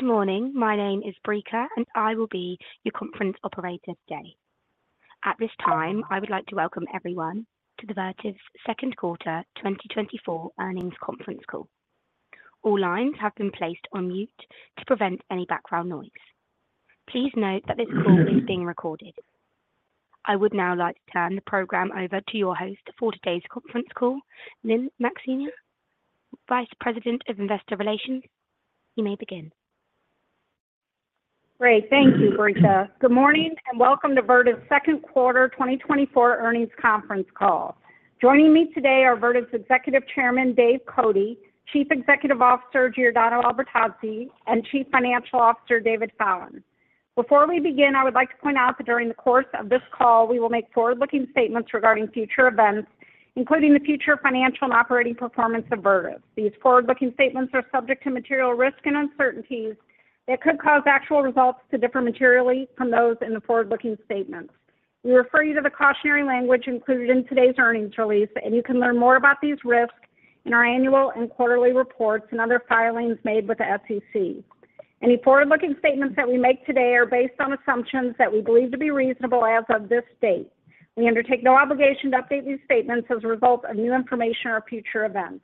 Good morning. My name is Brica, and I will be your conference operator today. At this time, I would like to welcome everyone to Vertiv's Second Quarter 2024 Earnings Conference Call. All lines have been placed on mute to prevent any background noise. Please note that this call is being recorded. I would now like to turn the program over to your host for today's conference call, Lynne Maxeiner, Vice President of Investor Relations. You may begin. Great. Thank you, Brica. Good morning, and welcome to Vertiv's Second Quarter 2024 Earnings Conference Call. Joining me today are Vertiv's Executive Chairman, Dave Cote, Chief Executive Officer, Giordano Albertazzi, and Chief Financial Officer, David Fallon. Before we begin, I would like to point out that during the course of this call, we will make forward-looking statements regarding future events, including the future financial and operating performance of Vertiv. These forward-looking statements are subject to material risks and uncertainties that could cause actual results to differ materially from those in the forward-looking statements. We refer you to the cautionary language included in today's earnings release, and you can learn more about these risks in our annual and quarterly reports and other filings made with the SEC. Any forward-looking statements that we make today are based on assumptions that we believe to be reasonable as of this date. We undertake no obligation to update these statements as a result of new information or future events.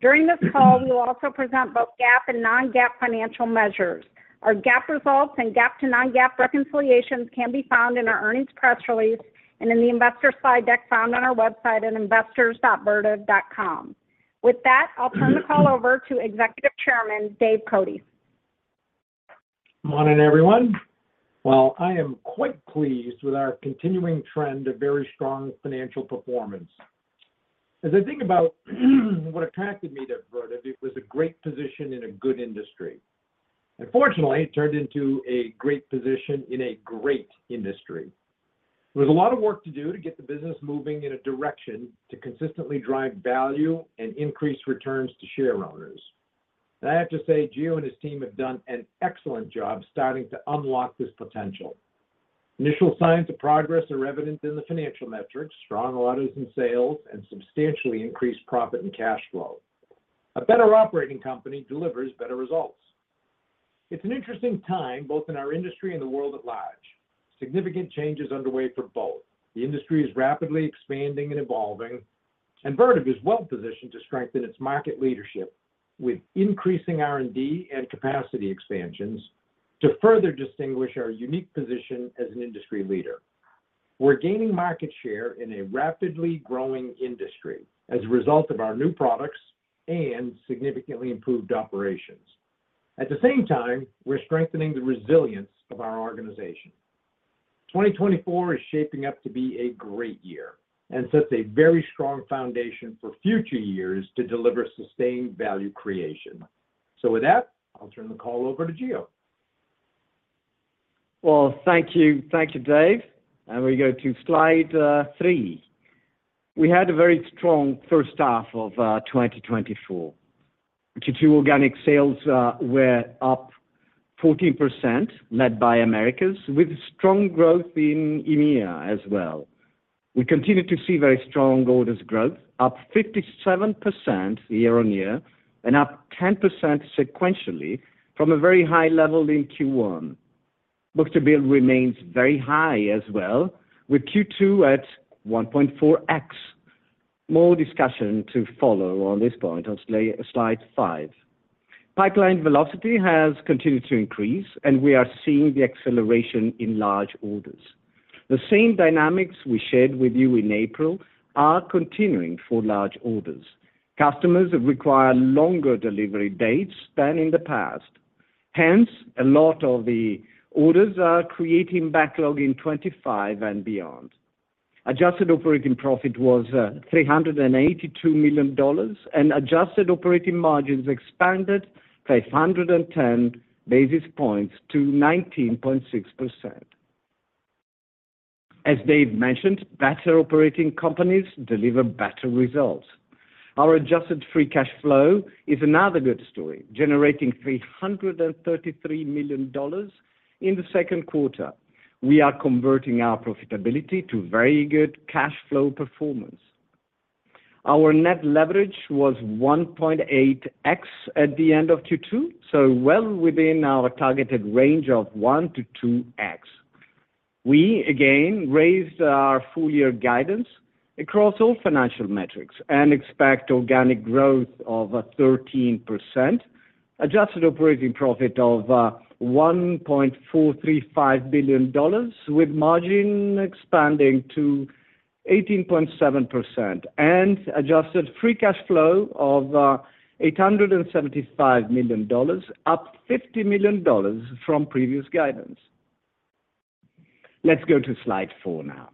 During this call, we will also present both GAAP and non-GAAP financial measures. Our GAAP results and GAAP to non-GAAP reconciliations can be found in our earnings press release and in the investor slide deck found on our website at investors.vertiv.com. With that, I'll turn the call over to Executive Chairman, Dave Cote. Morning, everyone. Well, I am quite pleased with our continuing trend of very strong financial performance. As I think about what attracted me to Vertiv, it was a great position in a good industry. Fortunately, it turned into a great position in a great industry. There was a lot of work to do to get the business moving in a direction to consistently drive value and increase returns to shareholders. I have to say, Gio and his team have done an excellent job starting to unlock this potential. Initial signs of progress are evident in the financial metrics, strong orders and sales, and substantially increased profit and cash flow. A better operating company delivers better results. It's an interesting time, both in our industry and the world at large. Significant change is underway for both. The industry is rapidly expanding and evolving, and Vertiv is well-positioned to strengthen its market leadership with increasing R&D and capacity expansions to further distinguish our unique position as an industry leader. We're gaining market share in a rapidly growing industry as a result of our new products and significantly improved operations. At the same time, we're strengthening the resilience of our organization. 2024 is shaping up to be a great year and sets a very strong foundation for future years to deliver sustained value creation. With that, I'll turn the call over to Gio. Well, thank you. Thank you, Dave. We go to slide three. We had a very strong first half of 2024. Q2 organic sales were up 14%, led by Americas, with strong growth in EMEA as well. We continued to see very strong orders growth, up 57% year-on-year and up 10% sequentially from a very high level in Q1. Book-to-bill remains very high as well, with Q2 at 1.4x. More discussion to follow on this point on slide five. Pipeline velocity has continued to increase, and we are seeing the acceleration in large orders. The same dynamics we shared with you in April are continuing for large orders. Customers require longer delivery dates than in the past. Hence, a lot of the orders are creating backlog in 2025 and beyond. Adjusted operating profit was $382 million, and adjusted operating margins expanded 510 basis points to 19.6%. As Dave mentioned, better operating companies deliver better results. Our adjusted free cash flow is another good story, generating $333 million in the second quarter. We are converting our profitability to very good cash flow performance. Our net leverage was 1.8x at the end of Q2, so well within our targeted range of 1x-2x. We again raised our full year guidance across all financial metrics and expect organic growth of 13%, adjusted operating profit of $1.435 billion, with margin expanding to 18.7% and adjusted free cash flow of $875 million, up $50 million from previous guidance. Let's go to slide four now.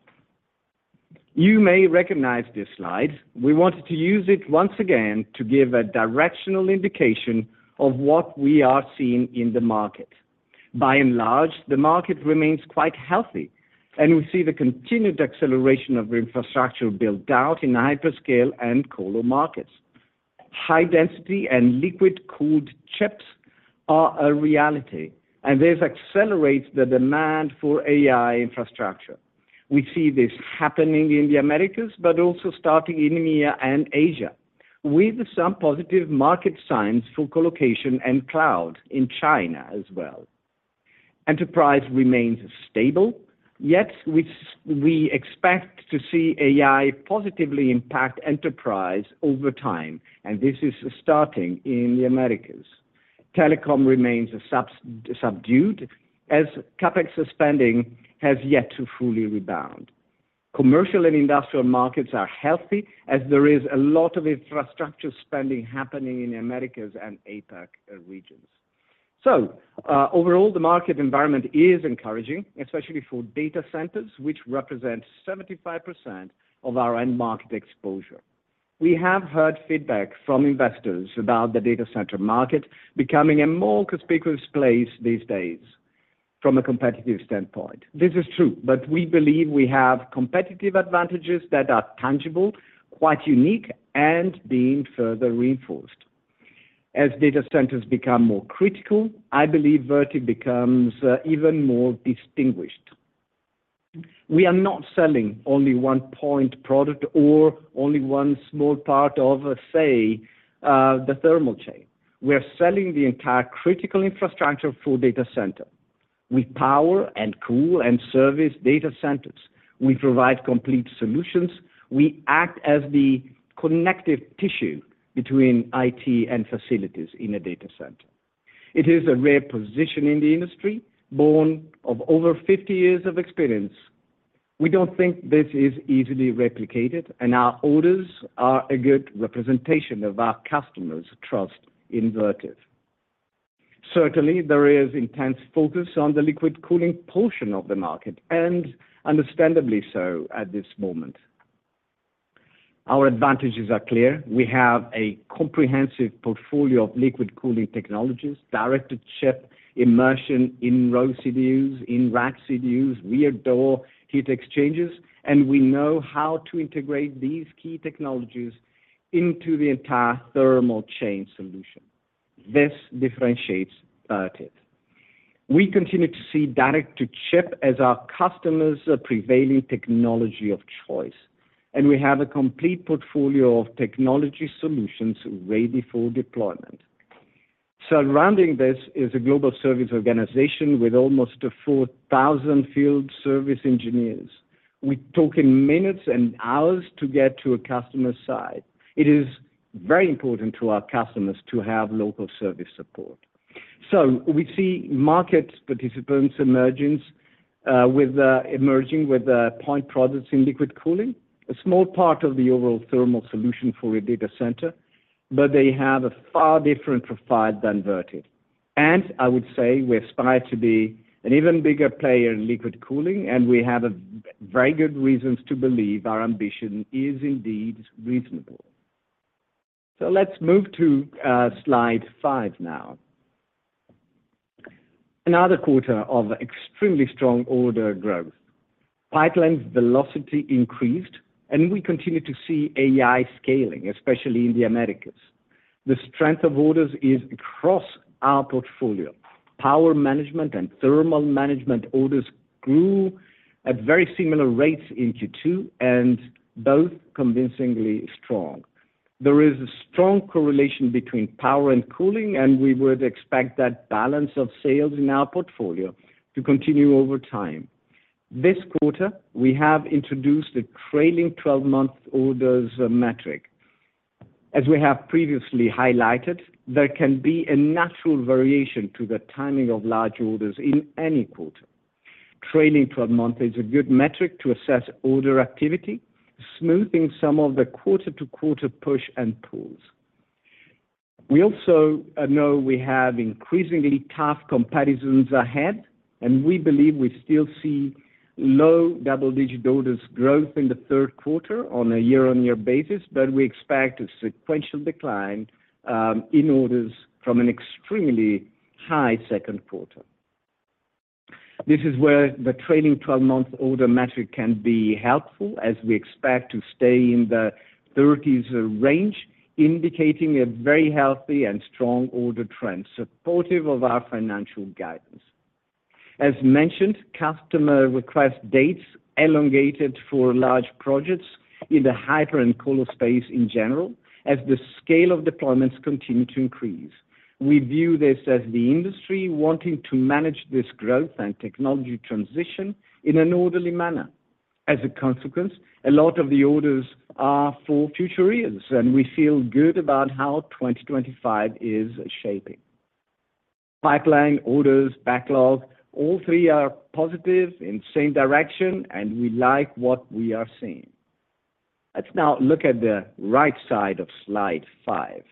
You may recognize this slide. We wanted to use it once again to give a directional indication of what we are seeing in the market. By and large, the market remains quite healthy, and we see the continued acceleration of infrastructure build-out in the hyperscale and colo markets. High density and liquid-cooled chips are a reality, and this accelerates the demand for AI infrastructure. We see this happening in the Americas, but also starting in EMEA and Asia.... With some positive market signs for colocation and cloud in China as well. Enterprise remains stable, yet which we expect to see AI positively impact enterprise over time, and this is starting in the Americas. Telecom remains a subdued, as CapEx spending has yet to fully rebound. Commercial and industrial markets are healthy, as there is a lot of infrastructure spending happening in the Americas and APAC regions. So, overall, the market environment is encouraging, especially for data centers, which represent 75% of our end market exposure. We have heard feedback from investors about the data center market becoming a more conspicuous place these days from a competitive standpoint. This is true, but we believe we have competitive advantages that are tangible, quite unique, and being further reinforced. As data centers become more critical, I believe Vertiv becomes even more distinguished. We are not selling only one point product or only one small part of, say, the thermal chain. We are selling the entire critical infrastructure for data center. We power and cool and service data centers. We provide complete solutions. We act as the connective tissue between IT and facilities in a data center. It is a rare position in the industry, born of over 50 years of experience. We don't think this is easily replicated, and our orders are a good representation of our customers' trust in Vertiv. Certainly, there is intense focus on the liquid cooling portion of the market, and understandably so at this moment. Our advantages are clear. We have a comprehensive portfolio of liquid cooling technologies, direct-to-chip, immersion, in-row CDUs, in-rack CDUs. We offer heat exchangers, and we know how to integrate these key technologies into the entire thermal chain solution. This differentiates Vertiv. We continue to see direct-to-chip as our customers' prevailing technology of choice, and we have a complete portfolio of technology solutions ready for deployment. Surrounding this is a global service organization with almost 4,000 field service engineers. We talk in minutes and hours to get to a customer site. It is very important to our customers to have local service support. So we see market participants emerging with point products in liquid cooling, a small part of the overall thermal solution for a data center, but they have a far different profile than Vertiv. And I would say we aspire to be an even bigger player in liquid cooling, and we have very good reasons to believe our ambition is indeed reasonable. So let's move to slide five now. Another quarter of extremely strong order growth. Pipeline velocity increased, and we continue to see AI scaling, especially in the Americas. The strength of orders is across our portfolio. Power management and thermal management orders grew at very similar rates in Q2, and both convincingly strong. There is a strong correlation between power and cooling, and we would expect that balance of sales in our portfolio to continue over time. This quarter, we have introduced a trailing 12-month orders metric. As we have previously highlighted, there can be a natural variation to the timing of large orders in any quarter. Trailing 12-month is a good metric to assess order activity, smoothing some of the quarter-to-quarter push and pulls. We also know we have increasingly tough comparisons ahead, and we believe we still see low double-digit orders growth in the third quarter on a year-on-year basis, but we expect a sequential decline in orders from an extremely high second quarter. This is where the trailing 12-month order metric can be helpful, as we expect to stay in the 30s range, indicating a very healthy and strong order trend, supportive of our financial guidance. As mentioned, customer request dates elongated for large projects in the hyper and colo space in general, as the scale of deployments continue to increase. We view this as the industry wanting to manage this growth and technology transition in an orderly manner. As a consequence, a lot of the orders are for future years, and we feel good about how 2025 is shaping. Pipeline, orders, backlog, all three are positive in same direction, and we like what we are seeing. Let's now look at the right side of slide five.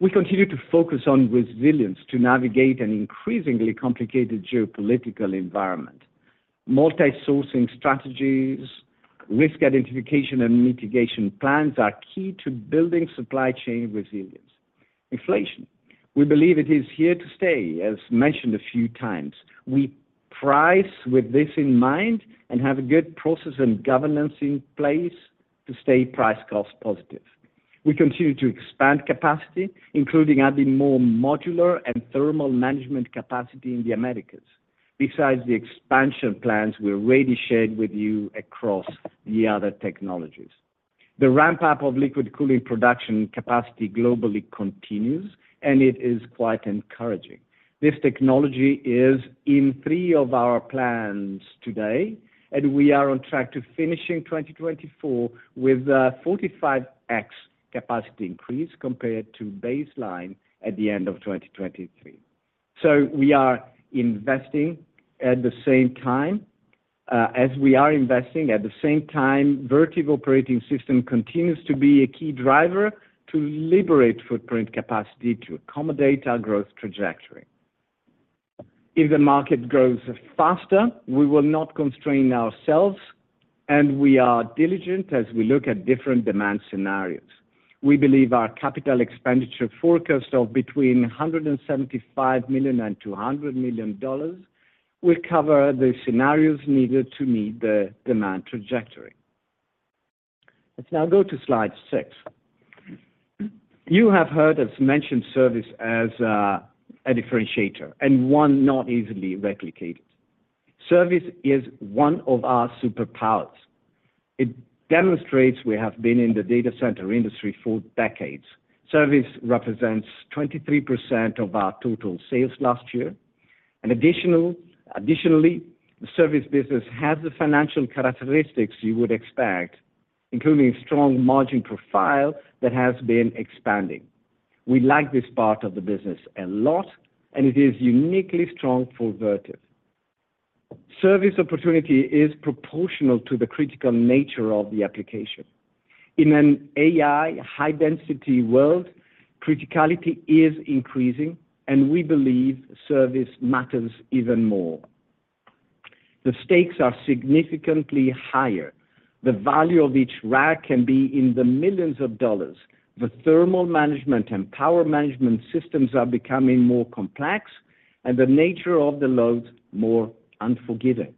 We continue to focus on resilience to navigate an increasingly complicated geopolitical environment. Multi-sourcing strategies, risk identification, and mitigation plans are key to building supply chain resilience. Inflation: we believe it is here to stay, as mentioned a few times. We price with this in mind and have a good process and governance in place to stay price-cost positive. We continue to expand capacity, including adding more modular and thermal management capacity in the Americas, besides the expansion plans we already shared with you across the other technologies. The ramp-up of liquid cooling production capacity globally continues, and it is quite encouraging. This technology is in three of our plans today, and we are on track to finishing 2024 with 45x capacity increase compared to baseline at the end of 2023. So we are investing at the same time, as we are investing, at the same time, Vertiv Operating System continues to be a key driver to liberate footprint capacity to accommodate our growth trajectory. If the market grows faster, we will not constrain ourselves, and we are diligent as we look at different demand scenarios. We believe our capital expenditure forecast of between $175 million and $200 million will cover the scenarios needed to meet the demand trajectory. Let's now go to slide six. You have heard us mention service as a differentiator and one not easily replicated. Service is one of our superpowers. It demonstrates we have been in the data center industry for decades. Service represents 23% of our total sales last year. Additionally, the service business has the financial characteristics you would expect, including strong margin profile that has been expanding. We like this part of the business a lot, and it is uniquely strong for Vertiv. Service opportunity is proportional to the critical nature of the application. In an AI, high-density world, criticality is increasing, and we believe service matters even more. The stakes are significantly higher. The value of each rack can be in the millions of dollars. The thermal management and power management systems are becoming more complex, and the nature of the loads, more unforgiving.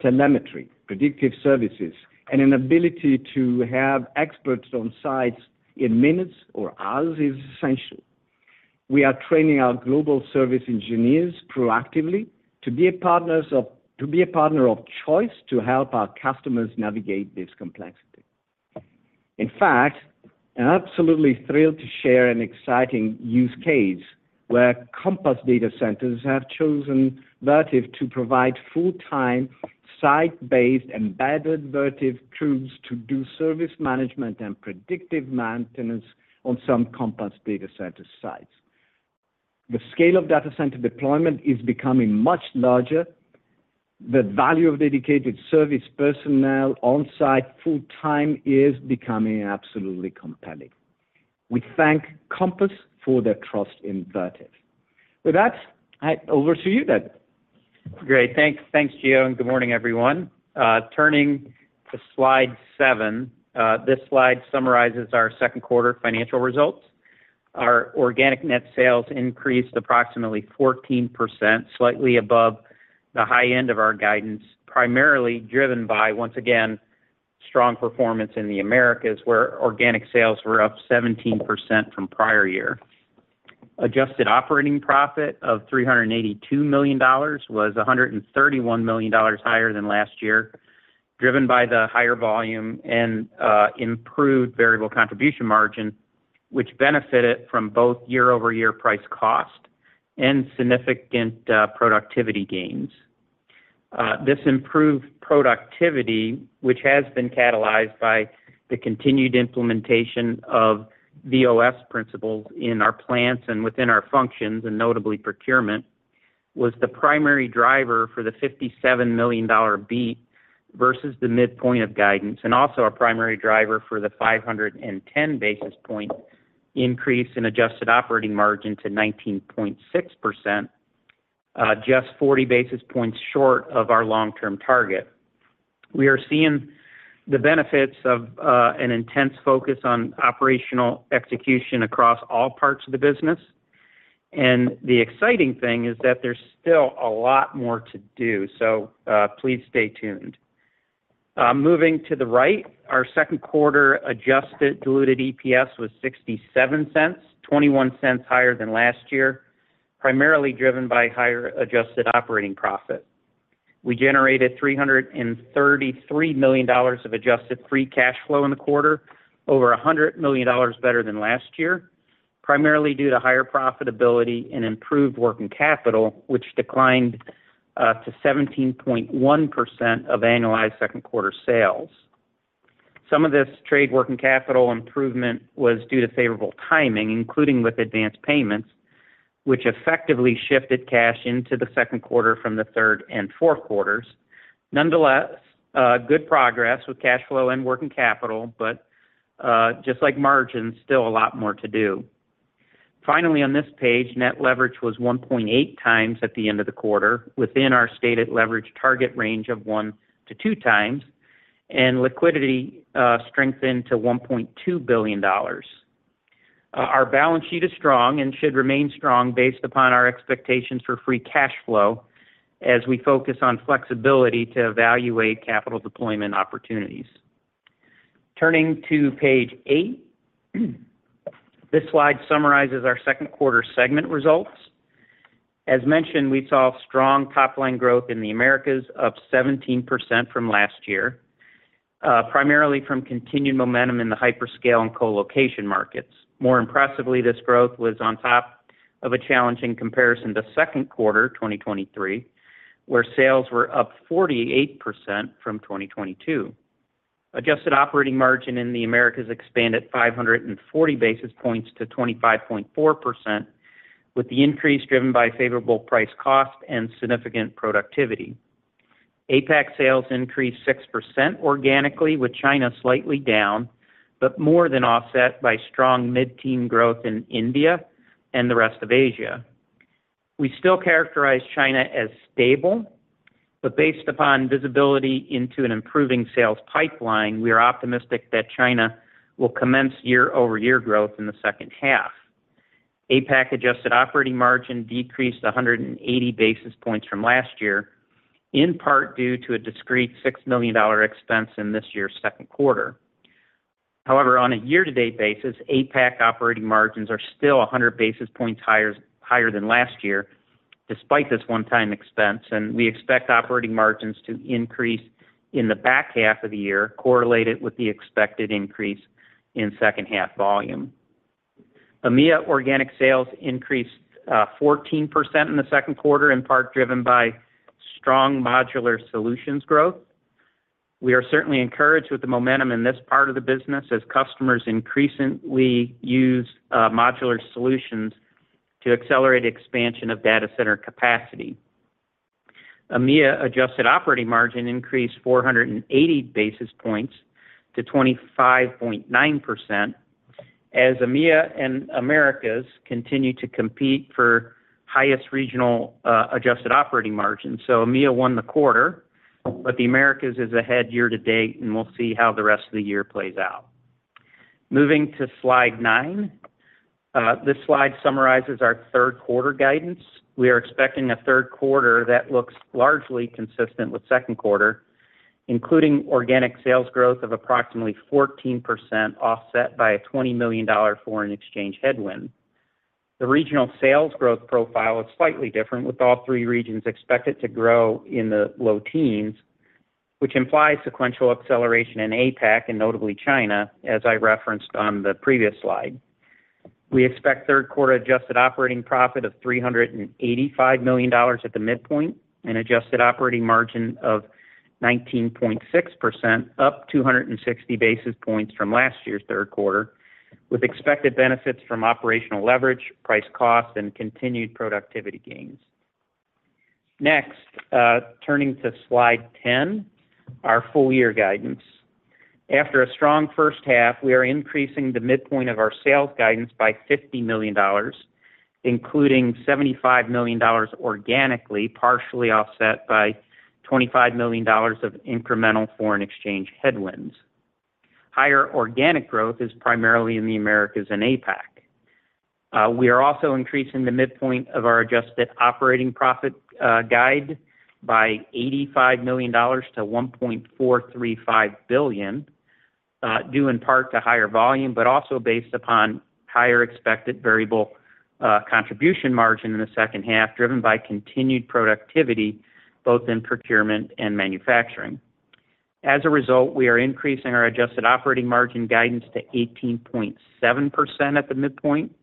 Telemetry, predictive services, and an ability to have experts on sites in minutes or hours is essential. We are training our global service engineers proactively to be a partner of choice to help our customers navigate this complexity. In fact, I'm absolutely thrilled to share an exciting use case, where Compass Datacenters have chosen Vertiv to provide full-time, site-based, embedded Vertiv crews to do service management and predictive maintenance on some Compass Datacenters sites. The scale of data center deployment is becoming much larger. The value of dedicated service personnel on-site full-time is becoming absolutely compelling. We thank Compass for their trust in Vertiv. With that, over to you, David. Great! Thanks. Thanks, Gio, and good morning, everyone. Turning to slide seven, this slide summarizes our second quarter financial results. Our organic net sales increased approximately 14%, slightly above the high end of our guidance, primarily driven by, once again, strong performance in the Americas, where organic sales were up 17% from prior year. Adjusted operating profit of $382 million was $131 million higher than last year, driven by the higher volume and improved variable contribution margin, which benefited from both year-over-year price cost and significant productivity gains. This improved productivity, which has been catalyzed by the continued implementation of VOS principles in our plants and within our functions, and notably procurement, was the primary driver for the $57 million beat versus the midpoint of guidance, and also our primary driver for the 510 basis points increase in adjusted operating margin to 19.6%, just 40 basis points short of our long-term target. We are seeing the benefits of an intense focus on operational execution across all parts of the business, and the exciting thing is that there's still a lot more to do, so please stay tuned. Moving to the right, our second quarter adjusted diluted EPS was $0.67, $0.21 higher than last year, primarily driven by higher adjusted operating profit. We generated $333 million of adjusted free cash flow in the quarter, over $100 million better than last year, primarily due to higher profitability and improved working capital, which declined to 17.1% of annualized second quarter sales. Some of this trade working capital improvement was due to favorable timing, including with advanced payments, which effectively shifted cash into the second quarter from the third and fourth quarters. Nonetheless, good progress with cash flow and working capital, but just like margins, still a lot more to do. Finally, on this page, net leverage was 1.8x at the end of the quarter, within our stated leverage target range of 1x-2x, and liquidity strengthened to $1.2 billion. Our balance sheet is strong and should remain strong based upon our expectations for free cash flow as we focus on flexibility to evaluate capital deployment opportunities. Turning to page eight. This slide summarizes our second quarter segment results. As mentioned, we saw strong top-line growth in the Americas up 17% from last year, primarily from continued momentum in the hyperscale and colocation markets. More impressively, this growth was on top of a challenging comparison to second quarter 2023, where sales were up 48% from 2022. Adjusted operating margin in the Americas expanded 540 basis points to 25.4%, with the increase driven by favorable price cost and significant productivity. APAC sales increased 6% organically, with China slightly down, but more than offset by strong mid-teen growth in India and the rest of Asia. We still characterize China as stable, but based upon visibility into an improving sales pipeline, we are optimistic that China will commence year-over-year growth in the second half. APAC adjusted operating margin decreased 180 basis points from last year, in part due to a discrete $6 million expense in this year's second quarter. However, on a year-to-date basis, APAC operating margins are still 100 basis points higher, higher than last year, despite this one-time expense, and we expect operating margins to increase in the back half of the year, correlated with the expected increase in second half volume. EMEA organic sales increased 14% in the second quarter, in part driven by strong modular solutions growth. We are certainly encouraged with the momentum in this part of the business as customers increasingly use modular solutions to accelerate expansion of data center capacity. EMEA adjusted operating margin increased 480 basis points to 25.9%, as EMEA and Americas continue to compete for highest regional adjusted operating margin. So EMEA won the quarter, but the Americas is ahead year to date, and we'll see how the rest of the year plays out. Moving to slide nine. This slide summarizes our third quarter guidance. We are expecting a third quarter that looks largely consistent with second quarter, including organic sales growth of approximately 14%, offset by a $20 million foreign exchange headwind. The regional sales growth profile is slightly different, with all three regions expected to grow in the low teens, which implies sequential acceleration in APAC and notably China, as I referenced on the previous slide. We expect third quarter adjusted operating profit of $385 million at the midpoint and adjusted operating margin of 19.6%, up 260 basis points from last year's third quarter, with expected benefits from operational leverage, price cost, and continued productivity gains. Next, turning to slide 10, our full year guidance. After a strong first half, we are increasing the midpoint of our sales guidance by $50 million, including $75 million organically, partially offset by $25 million of incremental foreign exchange headwinds. Higher organic growth is primarily in the Americas and APAC. We are also increasing the midpoint of our adjusted operating profit guide by $85 million-$1.435 billion, due in part to higher volume, but also based upon higher expected variable contribution margin in the second half, driven by continued productivity both in procurement and manufacturing. As a result, we are increasing our adjusted operating margin guidance to 18.7% at the midpoint,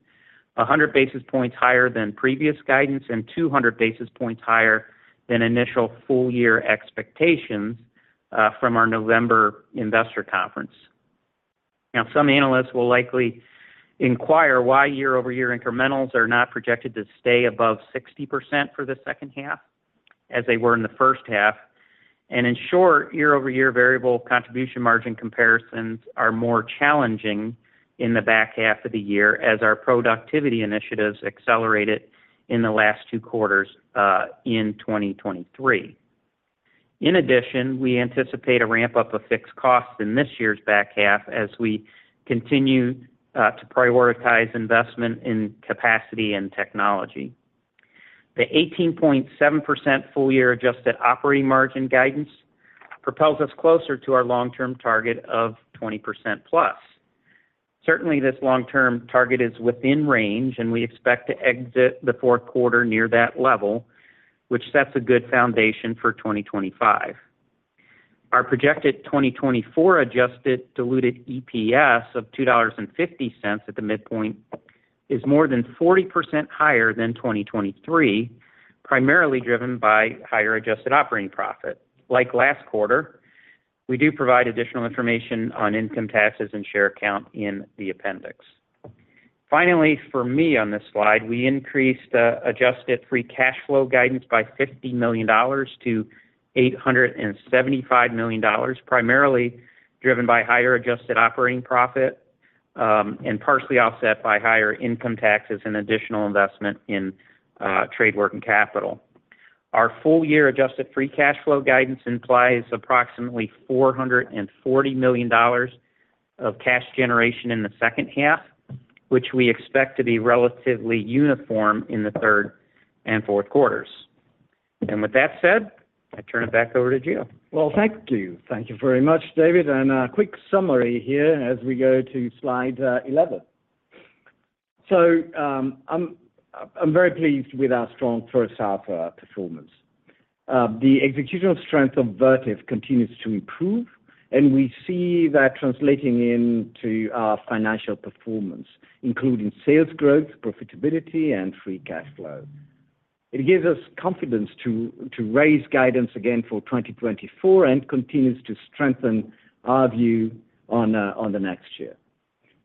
100 basis points higher than previous guidance and 200 basis points higher than initial full-year expectations, from our November investor conference. Now, some analysts will likely inquire why year-over-year incrementals are not projected to stay above 60% for the second half, as they were in the first half. In short, year-over-year variable contribution margin comparisons are more challenging in the back half of the year as our productivity initiatives accelerated in the last two quarters in 2023. In addition, we anticipate a ramp-up of fixed costs in this year's back half as we continue to prioritize investment in capacity and technology. The 18.7% full-year adjusted operating margin guidance propels us closer to our long-term target of 20%+. Certainly, this long-term target is within range, and we expect to exit the fourth quarter near that level, which sets a good foundation for 2025. Our projected 2024 adjusted diluted EPS of $2.50 at the midpoint is more than 40% higher than 2023, primarily driven by higher adjusted operating profit. Like last quarter, we do provide additional information on income taxes and share count in the appendix. Finally, for me on this slide, we increased adjusted free cash flow guidance by $50 million- $875 million, primarily driven by higher adjusted operating profit, and partially offset by higher income taxes and additional investment in trade working capital. Our full year adjusted free cash flow guidance implies approximately $440 million of cash generation in the second half, which we expect to be relatively uniform in the third and fourth quarters. And with that said, I turn it back over to Gio. Well, thank you. Thank you very much, David, and a quick summary here as we go to slide 11. So, I'm very pleased with our strong first half performance. The executional strength of Vertiv continues to improve, and we see that translating into our financial performance, including sales growth, profitability, and free cash flow. It gives us confidence to raise guidance again for 2024 and continues to strengthen our view on the next year.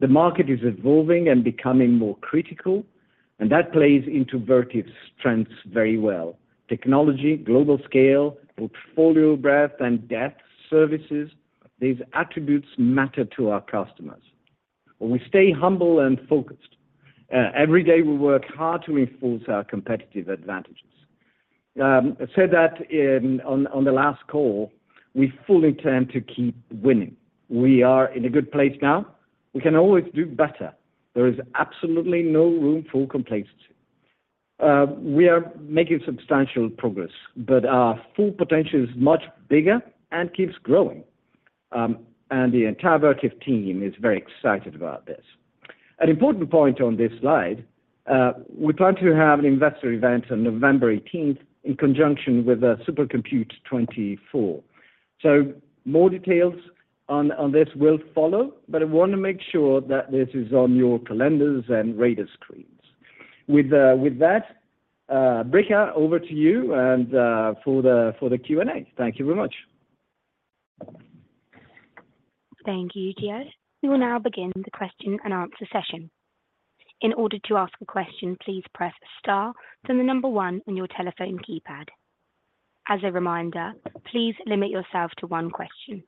The market is evolving and becoming more critical, and that plays into Vertiv's strengths very well. Technology, global scale, portfolio breadth and depth, services, these attributes matter to our customers. When we stay humble and focused every day, we work hard to enforce our competitive advantages. I said that on the last call, we fully intend to keep winning. We are in a good place now. We can always do better. There is absolutely no room for complacency. We are making substantial progress, but our full potential is much bigger and keeps growing, and the entire Vertiv team is very excited about this. An important point on this slide, we plan to have an investor event on November 18 in conjunction with the Supercomputing 2024. So more details on this will follow, but I want to make sure that this is on your calendars and radar screens. With that, Brica, over to you and for the Q&A. Thank you very much. Thank you, Gio. We will now begin the question and answer session. In order to ask a question, please press star, then the number one on your telephone keypad. As a reminder, please limit yourself to one question.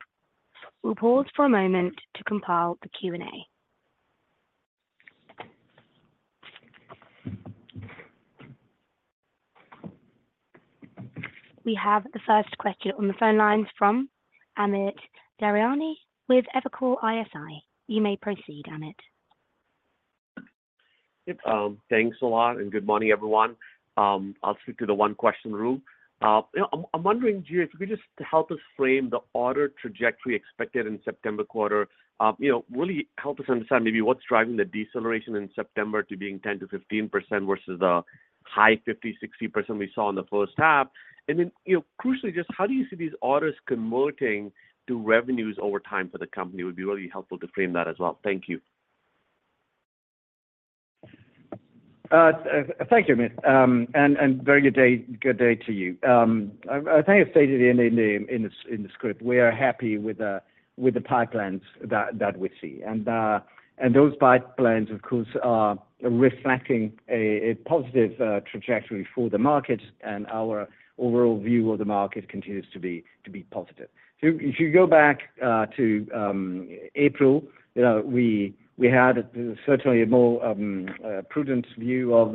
We'll pause for a moment to compile the Q&A. We have the first question on the phone lines from Amit Daryanani with Evercore ISI. You may proceed, Amit. Thanks a lot, and good morning, everyone. I'll stick to the one question rule. You know, I'm, I'm wondering, Gio, if you could just help us frame the order trajectory expected in September quarter. You know, really help us understand maybe what's driving the deceleration in September to being 10%-15% versus the high 50, 60% we saw in the first half. And then, you know, crucially, just how do you see these orders converting to revenues over time for the company? Would be really helpful to frame that as well. Thank you. Thank you, Amit, and very good day to you. I think I stated in the script, we are happy with the pipelines that we see. And those pipelines, of course, are reflecting a positive trajectory for the market, and our overall view of the market continues to be positive. So if you go back to April, you know, we had certainly a more prudent view of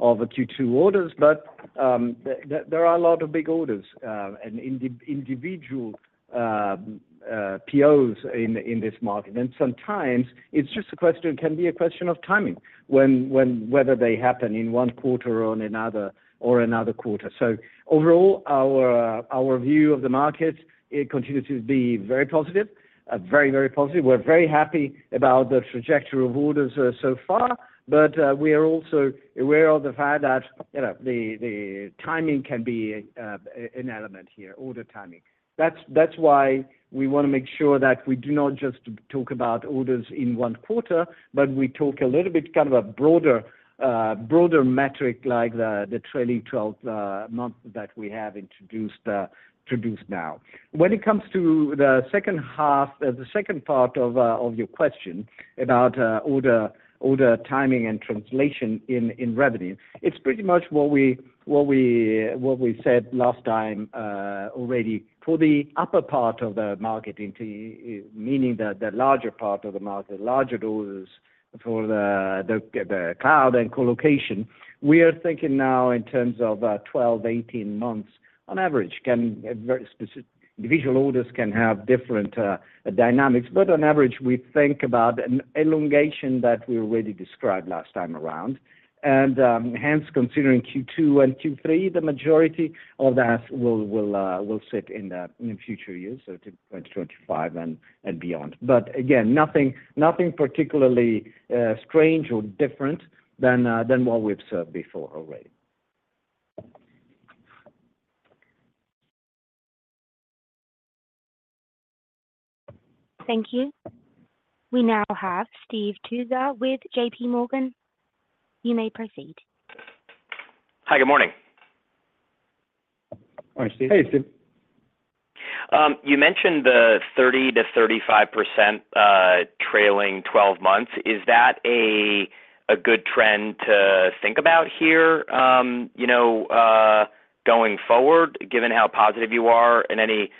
Q2 orders, but there are a lot of big orders and individual POs in this market. And sometimes it's just a question, can be a question of timing, when whether they happen in one quarter or in another or another quarter. So overall, our view of the market, it continues to be very positive. Very, very positive. We're very happy about the trajectory of orders so far, but we are also aware of the fact that, you know, the timing can be an element here, order timing. That's why we want to make sure that we do not just talk about orders in one quarter, but we talk a little bit kind of a broader broader metric like the trailing 12 months that we have introduced now. When it comes to the second half, the second part of your question about order timing, and translation in revenue, it's pretty much what we said last time already. For the upper part of the market, meaning the larger part of the market, larger orders for the cloud and colocation, we are thinking now in terms of 12, 18 months on average. Individual orders can vary specifically, but on average, we think about an elongation that we already described last time around. And hence, considering Q2 and Q3, the majority of that will sit in the future years, so to 2025 and beyond. But again, nothing particularly strange or different than what we've observed before already. Thank you. We now have Steve Tusa with JPMorgan. You may proceed. Hi, good morning. Hi, Steve. Hey, Steve. You mentioned the 30%-35% trailing 12 months. Is that a good trend to think about here, you know, going forward, given how positive you are? And any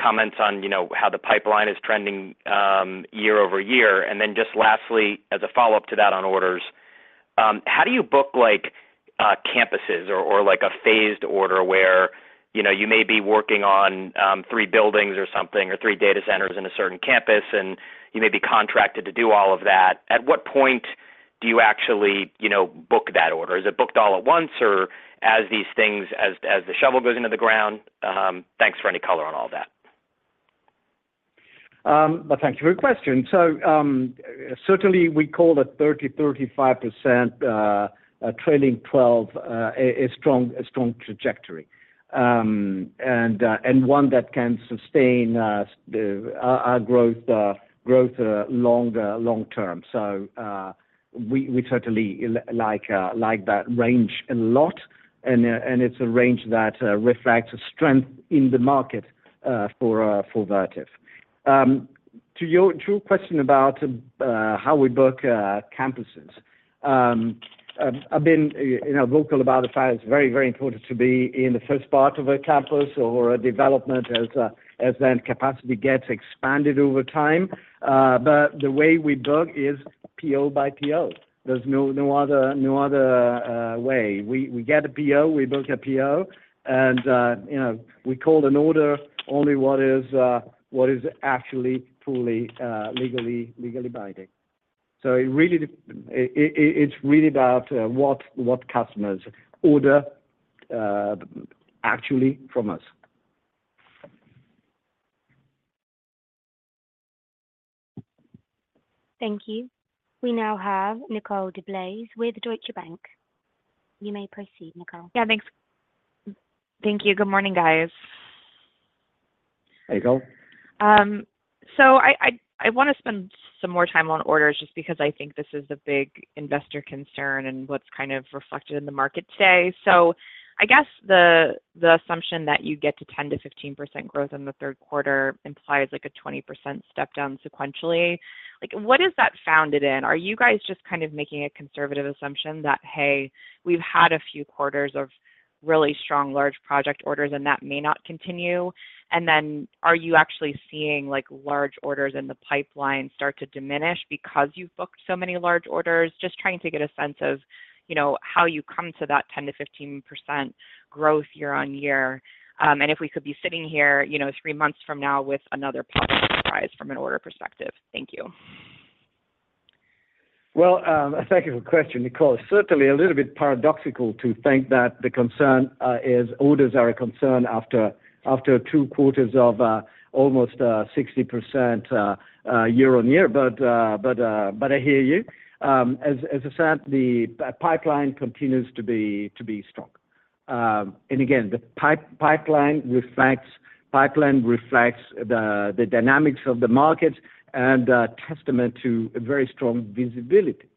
comments on, you know, how the pipeline is trending, year-over-year? And then just lastly, as a follow-up to that on orders... How do you book, like, campuses or like a phased order where, you know, you may be working on three buildings or something, or three data centers in a certain campus, and you may be contracted to do all of that. At what point do you actually, you know, book that order? Is it booked all at once, or as these things—as the shovel goes into the ground? Thanks for any color on all that. Well, thank you for your question. So, certainly we call it 30-35%, trailing 12, a strong trajectory. And one that can sustain our growth long term. So, we certainly like that range a lot, and it's a range that reflects strength in the market for Vertiv. To your true question about how we book campuses. I've been, you know, vocal about the fact it's very important to be in the first part of a campus or a development as that capacity gets expanded over time. But the way we book is PO by PO. There's no other way. We get a PO, we book a PO, and you know, we call an order only what is actually fully legally binding. So it's really about what customers order actually from us. Thank you. We now have Nicole DeBlase with Deutsche Bank. You may proceed, Nicole. Yeah, thanks. Thank you. Good morning, guys. Hey, Nicole. So I want to spend some more time on orders, just because I think this is a big investor concern and what's kind of reflected in the market today. So I guess the assumption that you get to 10%-15% growth in the third quarter implies like a 20% step down sequentially. Like, what is that founded in? Are you guys just kind of making a conservative assumption that, hey, we've had a few quarters of really strong large project orders, and that may not continue? And then are you actually seeing, like, large orders in the pipeline start to diminish because you've booked so many large orders? Just trying to get a sense of, you know, how you come to that 10%-15% growth year-on-year. If we could be sitting here, you know, three months from now with another positive surprise from an order perspective. Thank you. Well, thank you for the question, Nicole. Certainly, a little bit paradoxical to think that the concern is orders are a concern after two quarters of almost 60% year-on-year. But I hear you. As I said, the pipeline continues to be strong. And again, the pipeline reflects the dynamics of the market and testament to a very strong visibility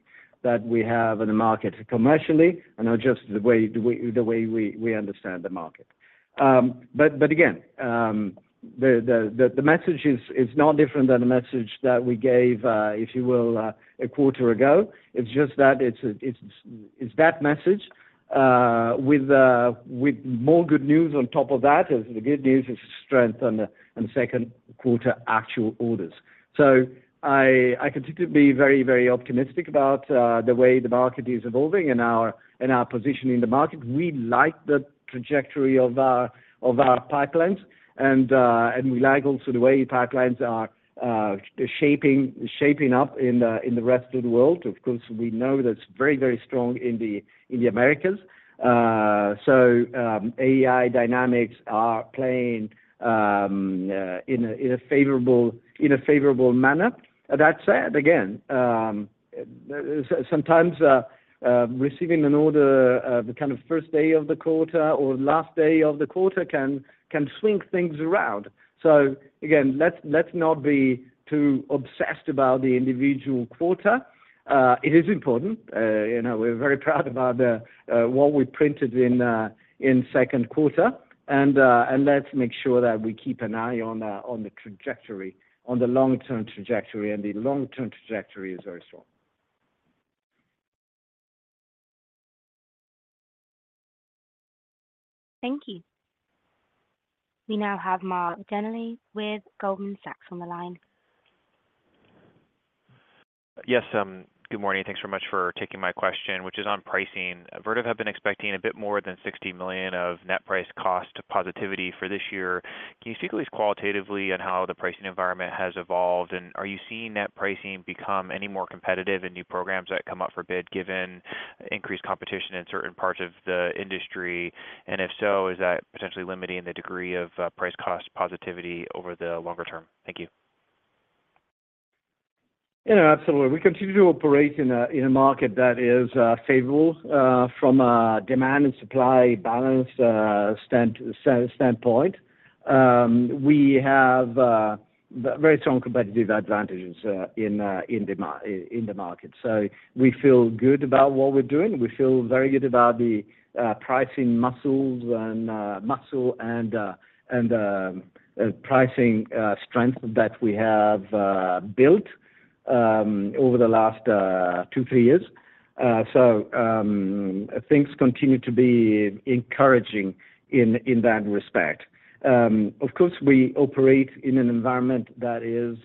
that we have in the market commercially, and just the way we understand the market. But again, the message is not different than the message that we gave, if you will, a quarter ago. It's just that it's that message with more good news on top of that, as the good news is strength on the second quarter actual orders. So I continue to be very, very optimistic about the way the market is evolving and our position in the market. We like the trajectory of our pipelines, and we like also the way pipelines are shaping up in the rest of the world. Of course, we know that's very, very strong in the Americas. So AI dynamics are playing in a favorable manner. That said, again, sometimes receiving an order the kind of first day of the quarter or last day of the quarter can swing things around. So again, let's not be too obsessed about the individual quarter. It is important. You know, we're very proud about what we printed in second quarter. And let's make sure that we keep an eye on the trajectory, on the long-term trajectory, and the long-term trajectory is very strong. Thank you. We now have Mark Delaney with Goldman Sachs on the line. Yes, good morning. Thanks so much for taking my question, which is on pricing. Vertiv have been expecting a bit more than $60 million of net price cost positivity for this year. Can you speak at least qualitatively on how the pricing environment has evolved? And are you seeing net pricing become any more competitive in new programs that come up for bid, given increased competition in certain parts of the industry? And if so, is that potentially limiting the degree of price cost positivity over the longer term? Thank you. Yeah, absolutely. We continue to operate in a market that is favorable from a demand and supply balance standpoint. We have very strong competitive advantages in the market. So we feel good about what we're doing. We feel very good about the pricing muscles and muscle and pricing strength that we have built over the last two, three years. So things continue to be encouraging in that respect. Of course, we operate in an environment that is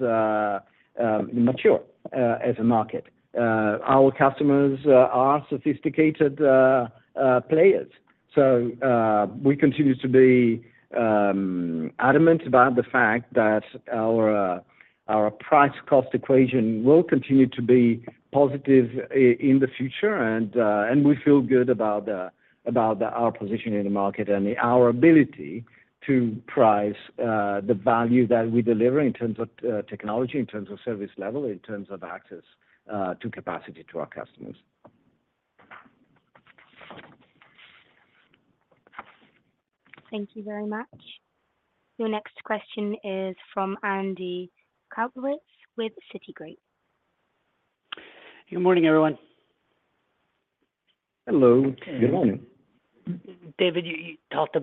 mature as a market. Our customers are sophisticated players. So we continue to be adamant about the fact that our price cost equation will continue to be positive in the future. And we feel good about our position in the market and our ability to price the value that we deliver in terms of technology, in terms of service level, in terms of access to capacity to our customers. Thank you very much. Your next question is from Andy Kaplowitz with Citigroup. Good morning, everyone. Hello, and good morning. David talked a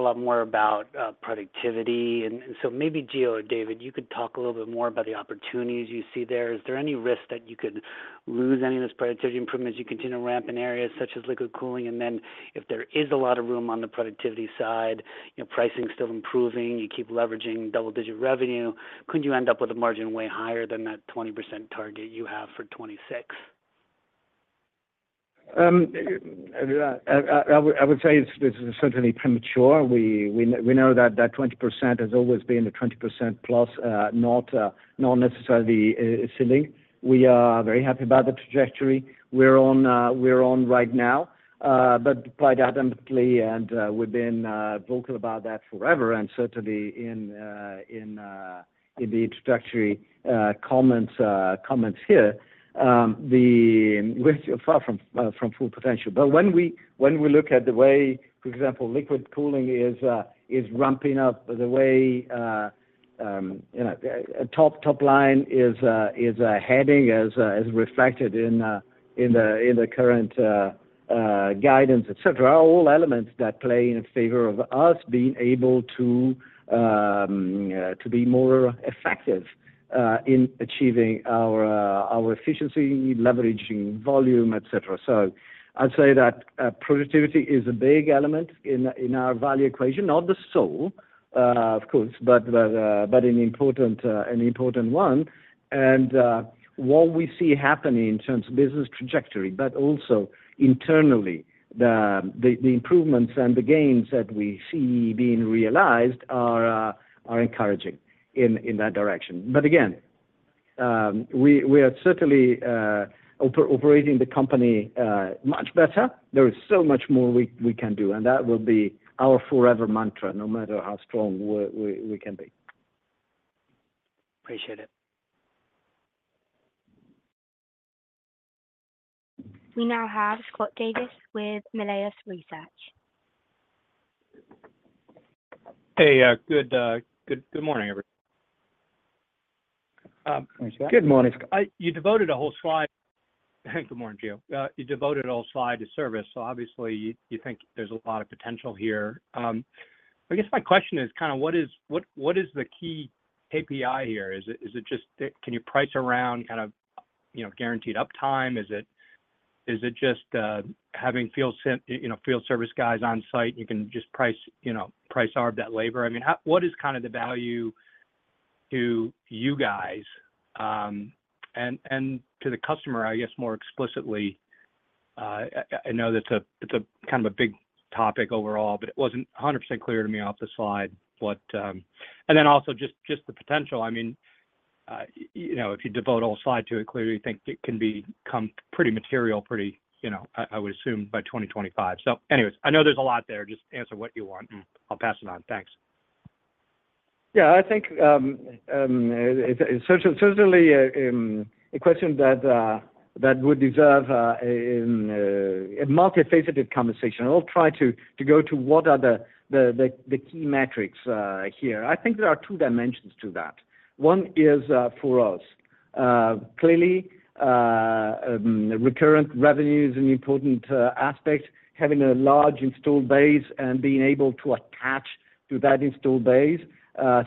lot more about productivity, and so maybe Gio or David, you could talk a little bit more about the opportunities you see there. Is there any risk that you could lose any of this productivity improvements you continue to ramp in areas such as liquid cooling? And then if there is a lot of room on the productivity side, you know, pricing is still improving, you keep leveraging double-digit revenue, could you end up with a margin way higher than that 20% target you have for 2026? I would say it's certainly premature. We know that 20% has always been a 20%+, not necessarily a ceiling. We are very happy about the trajectory we're on right now. But quite adamantly, and we've been vocal about that forever, and certainly in the introductory comments here, the... We're far from full potential. But when we look at the way, for example, liquid cooling is ramping up, the way you know, top line is heading, as reflected in the current guidance, et cetera, are all elements that play in favor of us being able to be more effective in achieving our efficiency, leveraging volume, et cetera. So I'd say that productivity is a big element in our value equation, not the sole of course, but an important one. And what we see happening in terms of business trajectory, but also internally, the improvements and the gains that we see being realized are encouraging in that direction. But again, we are certainly operating the company much better. There is so much more we can do, and that will be our forever mantra, no matter how strong we can be. Appreciate it. We now have Scott Davis with Melius Research. Hey, good morning, everyone. Good morning, Scott. Good morning, Gio. You devoted a whole slide to service, so obviously you think there's a lot of potential here. I guess my question is kind of what is, what, what is the key KPI here? Is it just, can you price around kind of, you know, guaranteed uptime? Is it just having field service guys on site, you can just price, you know, price out of that labor? I mean, how, what is kind of the value to you guys, and to the customer, I guess, more explicitly? I know that's a kind of a big topic overall, but it wasn't 100% clear to me off the slide. What... And then also just the potential, I mean, you know, if you devote a whole slide to it, clearly you think it can become pretty material, pretty, you know, I would assume by 2025. So anyways, I know there's a lot there. Just answer what you want, and I'll pass it on. Thanks. Yeah, I think, it's certainly, certainly, a question that, that would deserve, a multifaceted conversation. I'll try to, to go to what are the, the, the, the key metrics, here. I think there are two dimensions to that. One is, for us. Clearly, recurrent revenue is an important, aspect, having a large installed base and being able to attach to that installed base.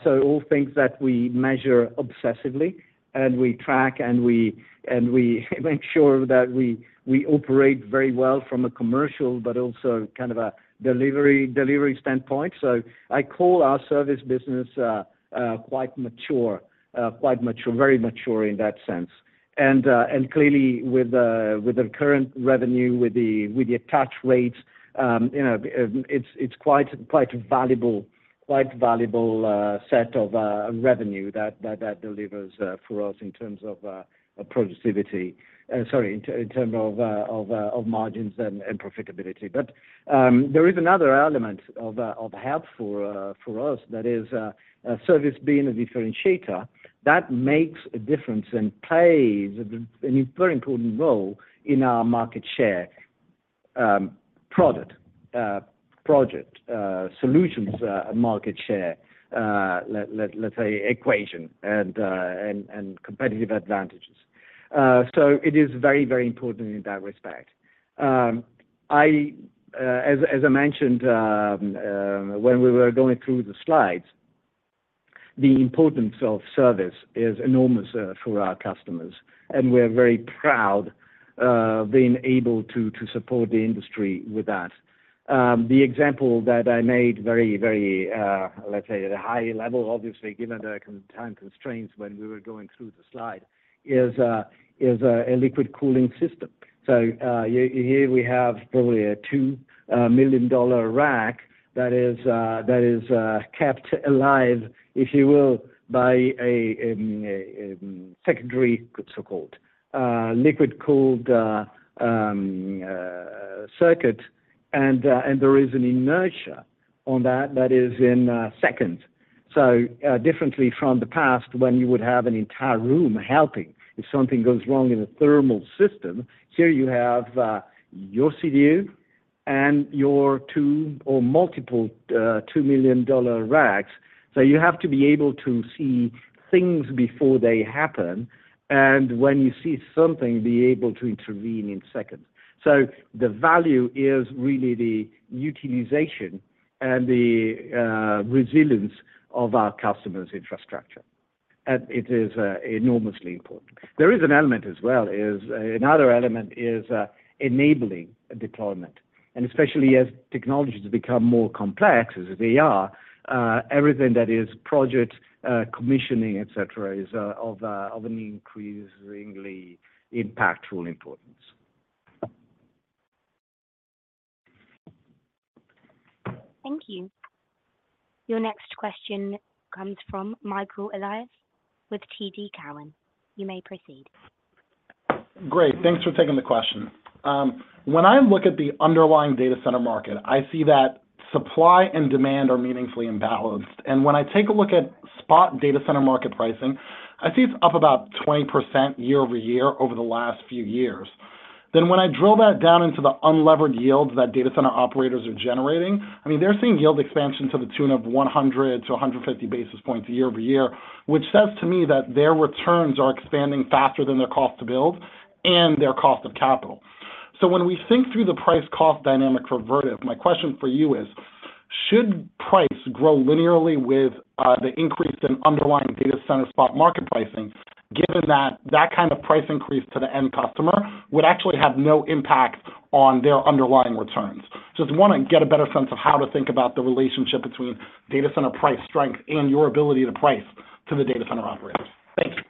So all things that we measure obsessively, and we track, and we, and we make sure that we, we operate very well from a commercial, but also kind of a delivery, delivery standpoint. So I call our service business, quite mature, quite mature, very mature in that sense. Clearly, with the current revenue, with the attach rates, you know, it's quite valuable set of revenue that delivers for us in terms of productivity, sorry, in terms of margins and profitability. There is another element of help for us, that is, service being a differentiator. That makes a difference and plays a very important role in our market share, product, project, solutions market share, let's say, equation, and competitive advantages. It is very important in that respect. As I mentioned, when we were going through the slides, the importance of service is enormous for our customers, and we're very proud being able to support the industry with that. The example that I made very, very, let's say, at a high level, obviously, given the time constraints when we were going through the slide, is a liquid cooling system. So, here we have probably a $2 million rack that is kept alive, if you will, by a secondary, so-called, liquid-cooled circuit, and there is an inertia on that, that is in seconds. So, differently from the past, when you would have an entire room helping if something goes wrong in a thermal system, here you have your CDU and your two or multiple $2 million racks. So you have to be able to see things before they happen, and when you see something, be able to intervene in seconds. So the value is really the utilization and the resilience of our customer's infrastructure, and it is enormously important. There is an element as well. Another element is enabling deployment. And especially as technologies become more complex, as they are, everything that is project commissioning, et cetera, is of an increasingly impactful importance. Thank you. Your next question comes from Michael Elias with TD Cowen. You may proceed. Great, thanks for taking the question. When I look at the underlying data center market, I see that supply and demand are meaningfully imbalanced. When I take a look at spot data center market pricing, I see it's up about 20% year-over-year, over the last few years. When I drill that down into the unlevered yields that data center operators are generating, I mean, they're seeing yield expansion to the tune of 100 basis points-150 basis points year-over-year, which says to me that their returns are expanding faster than their cost to build and their cost of capital. So when we think through the price cost dynamic for Vertiv, my question for you is: Should price grow linearly with the increase in underlying data center spot market pricing, given that that kind of price increase to the end customer would actually have no impact on their underlying returns? Just want to get a better sense of how to think about the relationship between data center price strength and your ability to price to the data center operators. Thank you.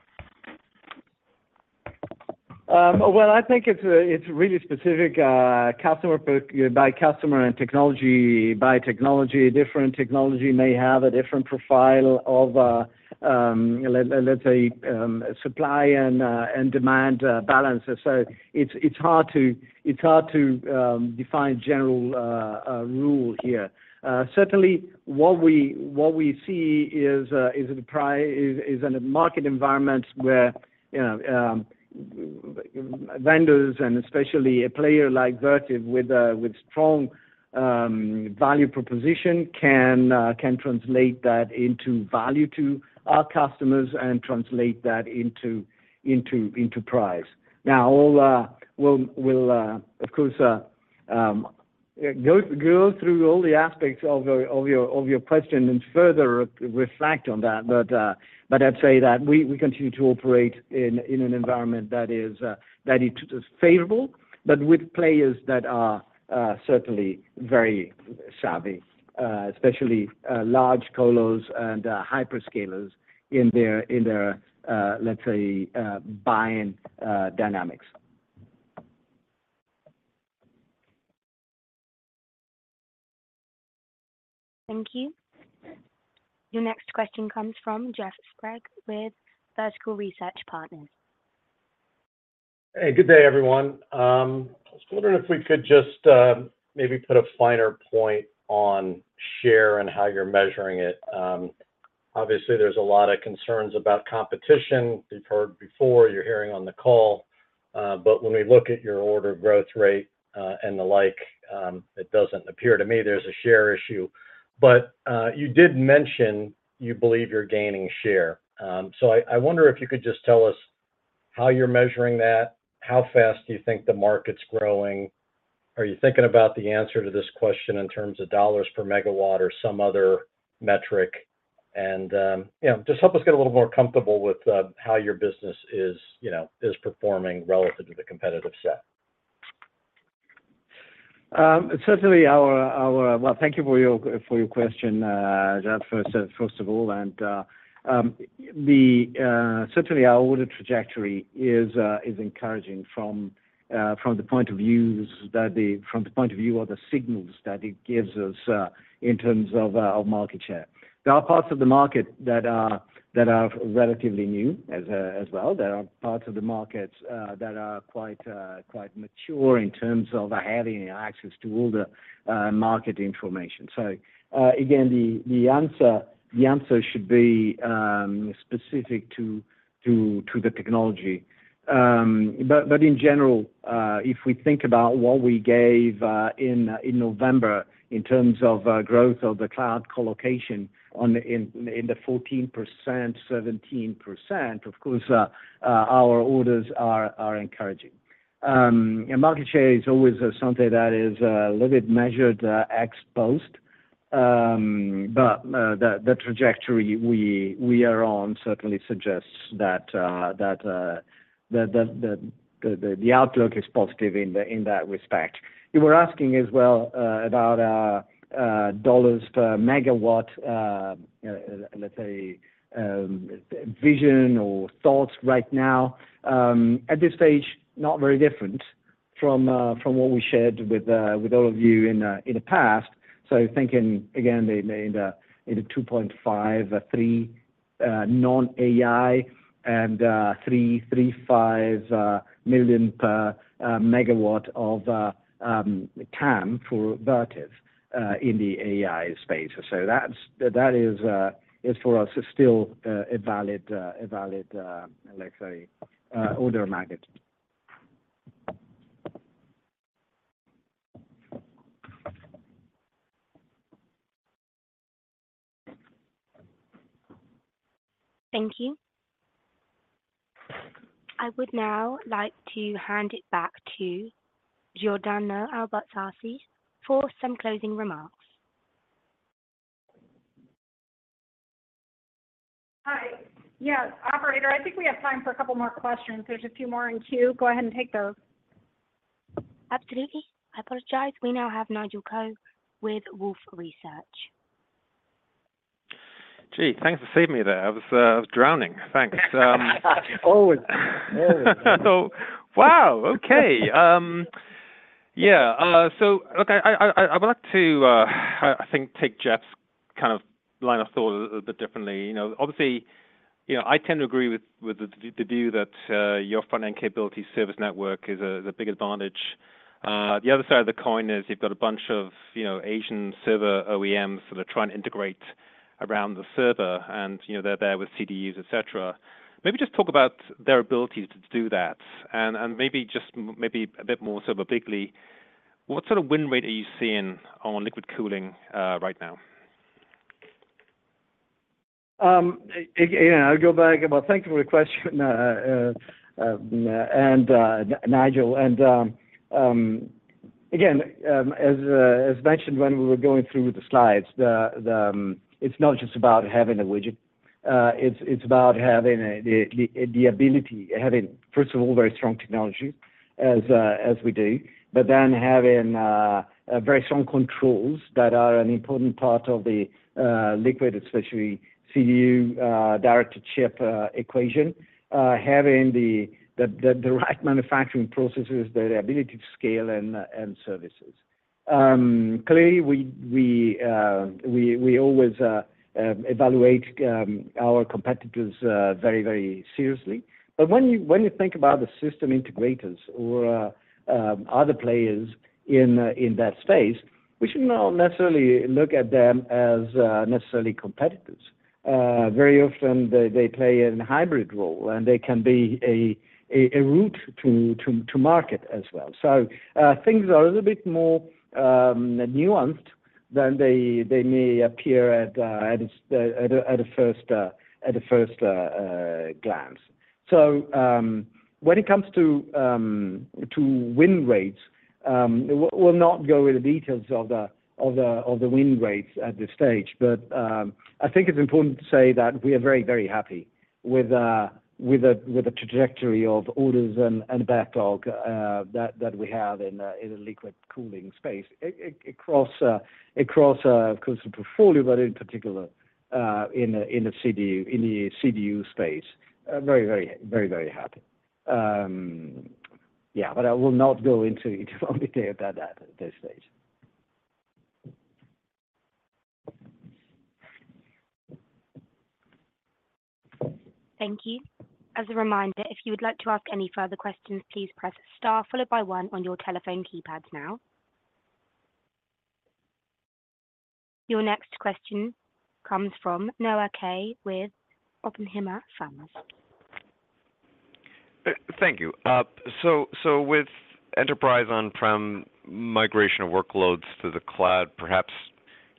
Well, I think it's really specific by customer and technology, by technology. Different technology may have a different profile of, let's say, supply and demand balance. So it's hard to define general a rule here. Certainly, what we see is in a market environment where, you know, vendors and especially a player like Vertiv, with a strong value proposition, can translate that into value to our customers and translate that into price. Now, we'll of course go through all the aspects of your question and further reflect on that. But I'd say that we continue to operate in an environment that is favorable, but with players that are certainly very savvy, especially large colos and hyperscalers in their, let's say, buying dynamics. Thank you. Your next question comes from Jeff Sprague with Vertical Research Partners. Hey, good day, everyone. I was wondering if we could just, maybe put a finer point on share and how you're measuring it. Obviously, there's a lot of concerns about competition. We've heard before, you're hearing on the call, but when we look at your order growth rate, and the like, it doesn't appear to me there's a share issue. But, you did mention you believe you're gaining share. So I, I wonder if you could just tell us how you're measuring that, how fast you think the market's growing. Are you thinking about the answer to this question in terms of dollars per megawatt or some other metric? And, you know, just help us get a little more comfortable with, how your business is, you know, is performing relative to the competitive set. Well, thank you for your question, Jeff, first of all. Certainly our order trajectory is encouraging from the point of view of the signals that it gives us in terms of market share. There are parts of the market that are relatively new as well. There are parts of the markets that are quite mature in terms of having access to all the market information. So, again, the answer should be specific to the technology. But in general, if we think about what we gave in November in terms of growth of the cloud colocation in the 14%, 17%, of course, our orders are encouraging. Market share is always something that is a little bit measured ex post. The trajectory we are on certainly suggests that the outlook is positive in that respect. You were asking as well about dollars per megawatt, let's say, vision or thoughts right now. At this stage, not very different from what we shared with all of you in the past. So thinking, again, they made in a $2.53 non-AI and $3.35 million per megawatt of TAM for Vertiv in the AI space. So that's—that is, is for us, is still a valid, a valid, let's say, order magnet. Thank you. I would now like to hand it back to Giordano Albertazzi for some closing remarks. Hi. Yeah, operator, I think we have time for a couple more questions. There's a few more in queue. Go ahead and take those. Absolutely. I apologize. We now have Nigel Coe with Wolfe Research. Gee, thanks for saving me there. I was, I was drowning. Thanks. Always. So, wow! Okay. So, look, I would like to, I think, take Jeff's kind of line of thought a little bit differently. You know, obviously, you know, I tend to agree with the view that your front-end capability service network is a big advantage. The other side of the coin is you've got a bunch of, you know, Asian server OEMs that are trying to integrate around the server, and, you know, they're there with CDUs, et cetera. Maybe just talk about their ability to do that, and maybe just, maybe a bit more so bigly, what sort of win rate are you seeing on liquid cooling right now? Again, I'll go back. Well, thank you for the question, and Nigel. Again, as mentioned when we were going through the slides, it's not just about having a widget. It's about having the ability, having first of all very strong technology, as we do, but then having a very strong controls that are an important part of the liquid, especially CDU, direct-to-chip equation, having the right manufacturing processes, the ability to scale and services. Clearly, we always evaluate our competitors very seriously. But when you think about the system integrators or other players in that space, we should not necessarily look at them as necessarily competitors. Very often, they play a hybrid role, and they can be a route to market as well. So, things are a little bit more nuanced than they may appear at a first glance. So, when it comes to win rates, we'll not go into details of the win rates at this stage, but I think it's important to say that we are very, very happy with the trajectory of orders and backlog that we have in the liquid cooling space across the portfolio, but in particular, in the CDU space. Very, very, very, very happy. Yeah, but I will not go into it at this stage. Thank you. As a reminder, if you would like to ask any further questions, please press star followed by one on your telephone keypads now. Your next question comes from Noah Kaye with Oppenheimer. Thank you. So with enterprise on-prem migration of workloads to the cloud, perhaps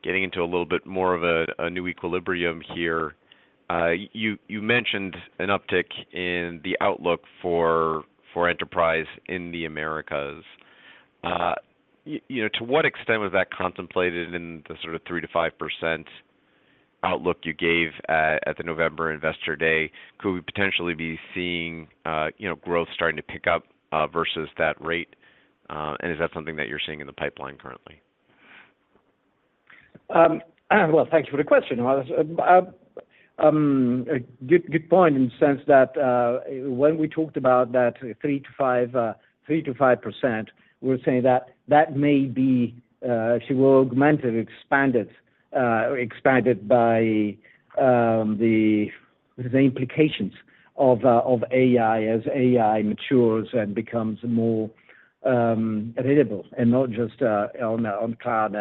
getting into a little bit more of a new equilibrium here, you mentioned an uptick in the outlook for enterprise in the Americas. You know, to what extent was that contemplated in the sort of 3%-5% outlook you gave at the November Investor Day? Could we potentially be seeing, you know, growth starting to pick up versus that rate? And is that something that you're seeing in the pipeline currently? Well, thank you for the question, Noah. Good, good point in the sense that, when we talked about that 3%-5%, 3%-5%, we're saying that, that may be, actually will augment it, expand it, expanded by, the, the implications of, of AI, as AI matures and becomes more, available, and not just, on the, on the cloud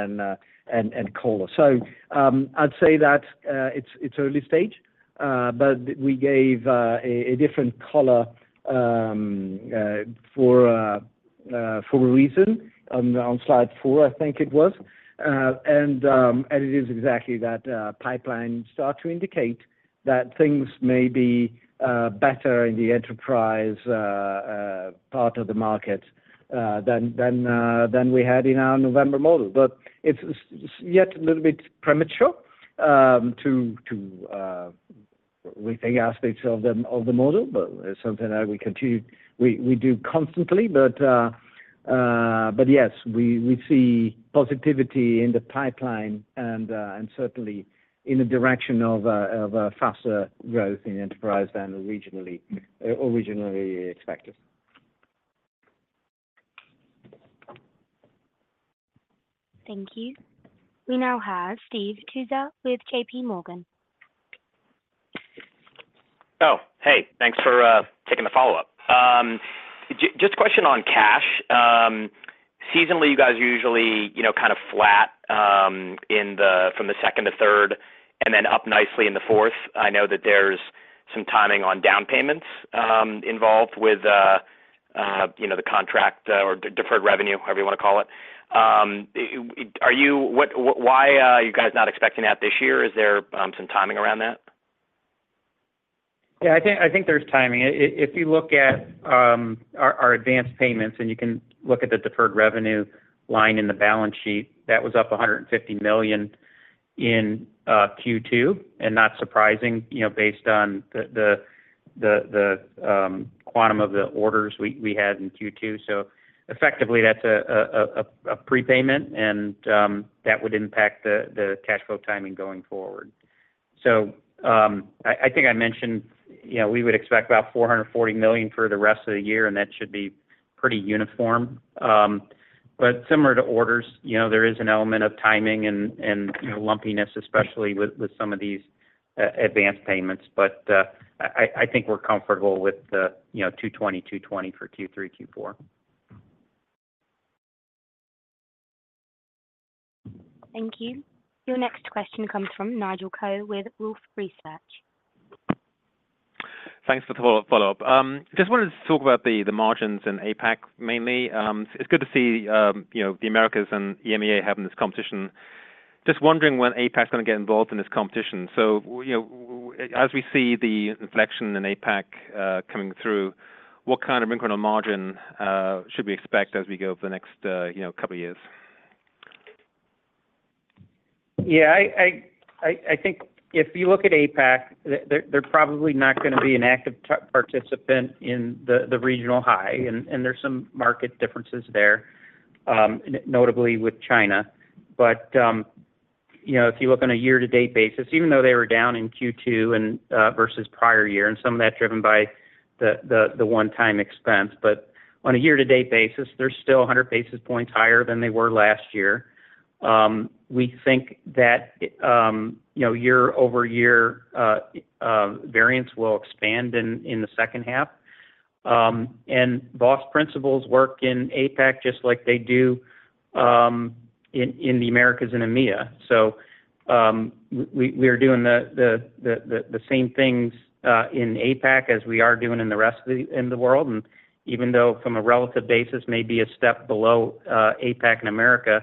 and, and, and colo. So, I'd say that, it's, it's early stage, but we gave, a, a different color, for, for a reason, on, on slide four, I think it was. It is exactly that pipeline starts to indicate that things may be better in the enterprise part of the market than we had in our November model. But it's yet a little bit premature to... We think aspects of the model, but it's something that we continue, we do constantly. But yes, we see positivity in the pipeline and certainly in the direction of a faster growth in enterprise than originally expected. Thank you. We now have Steve Tusa with J.P. Morgan. Oh, hey, thanks for taking the follow-up. Just a question on cash. Seasonally, you guys usually, you know, kind of flat from the second to third, and then up nicely in the fourth. I know that there's some timing on down payments involved with you know, the contract or deferred revenue, however you wanna call it. Why are you guys not expecting that this year? Is there some timing around that? Yeah, I think there's timing. If you look at our advanced payments, and you can look at the deferred revenue line in the balance sheet, that was up $150 million in Q2, and not surprising, you know, based on the quantum of the orders we had in Q2. So effectively, that's a prepayment, and that would impact the cash flow timing going forward. So, I think I mentioned, you know, we would expect about $440 million for the rest of the year, and that should be pretty uniform. But similar to orders, you know, there is an element of timing and, you know, lumpiness, especially with some of these advanced payments. I think we're comfortable with the, you know, $220, $220 for Q3, Q4. Thank you. Your next question comes from Nigel Coe with Wolfe Research. Thanks for the follow-up. Just wanted to talk about the margins in APAC, mainly. It's good to see, you know, the Americas and EMEA having this competition. Just wondering when APAC is gonna get involved in this competition. So, you know, as we see the inflection in APAC coming through, what kind of incremental margin should we expect as we go over the next, you know, couple of years? Yeah, I think if you look at APAC, they're probably not gonna be an active participant in the regional high, and there's some market differences there, notably with China. But you know, if you look on a year-to-date basis, even though they were down in Q2 versus prior year, and some of that driven by the one-time expense. But on a year-to-date basis, they're still 100 basis points higher than they were last year. We think that you know, year-over-year variance will expand in the second half. And VOS principles work in APAC just like they do in the Americas and EMEA. So, we are doing the same things in APAC as we are doing in the rest of the world. Even though from a relative basis, may be a step below APAC and America,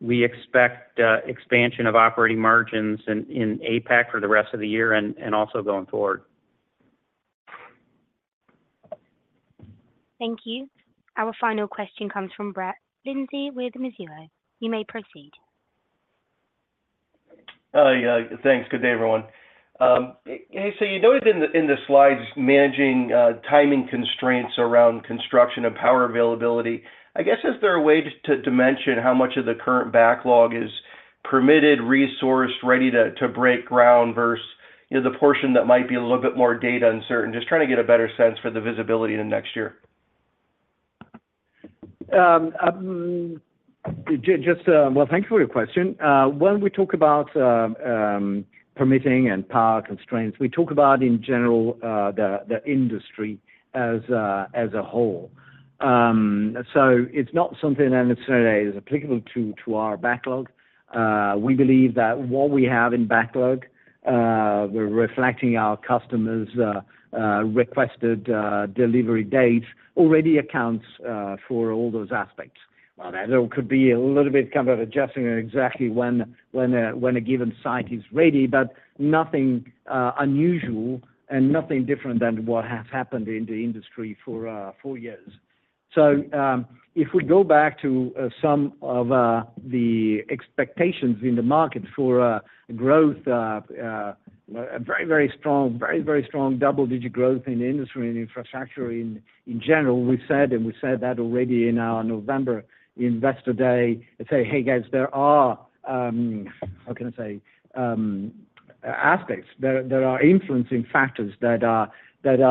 we expect expansion of operating margins in APAC for the rest of the year and also going forward. Thank you. Our final question comes from Brett Linzey, with Mizuho. You may proceed. Yeah, thanks. Good day, everyone. Hey, so you noted in the slides managing timing constraints around construction and power availability. I guess, is there a way to mention how much of the current backlog is permitted, resourced, ready to break ground versus, you know, the portion that might be a little bit more date uncertain? Just trying to get a better sense for the visibility in the next year. Just... Well, thank you for your question. When we talk about permitting and power constraints, we talk about, in general, the industry as a whole. So it's not something that necessarily is applicable to our backlog. We believe that what we have in backlog, we're reflecting our customers' requested delivery date, already accounts for all those aspects. Well, there could be a little bit kind of adjusting exactly when a given site is ready, but nothing unusual and nothing different than what has happened in the industry for four years. So, if we go back to some of the expectations in the market for growth, very, very strong, very, very strong double-digit growth in the industry and infrastructure in general, we said, and we said that already in our November Investor Day, and say: Hey, guys, there are, how can I say, aspects, there are influencing factors that are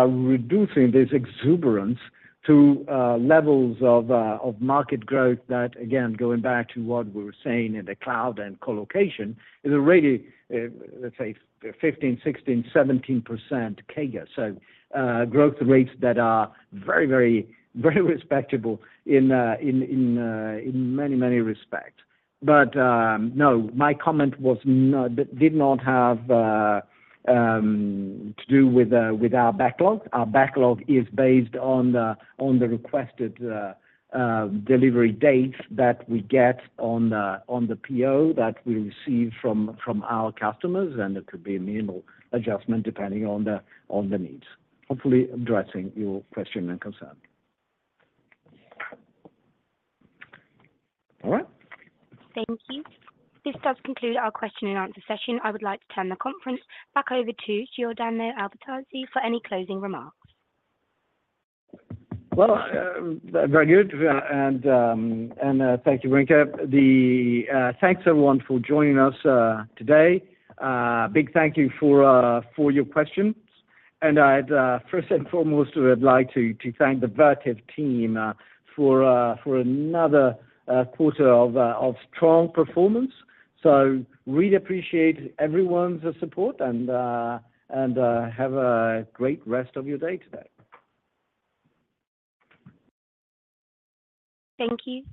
reducing this exuberance to levels of market growth. That again, going back to what we were saying in the cloud and colocation, is already, let's say 15%-17% CAGR. So, growth rates that are very, very, very respectable in many, many respects. But, no, my comment did not have to do with our backlog. Our backlog is based on the requested delivery dates that we get on the PO that we receive from our customers, and it could be a minimal adjustment, depending on the needs. Hopefully addressing your question and concern. All right. Thank you. This does conclude our question and answer session. I would like to turn the conference back over to Giordano Albertazzi for any closing remarks. Well, very good, and thank you, Brica. Thanks, everyone, for joining us today. A big thank you for your questions. And I'd first and foremost, I would like to thank the Vertiv team for another quarter of strong performance. So really appreciate everyone's support and have a great rest of your day today. Thank you.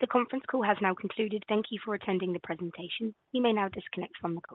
The conference call has now concluded. Thank you for attending the presentation. You may now disconnect from the call.